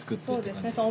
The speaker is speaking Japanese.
そうですね。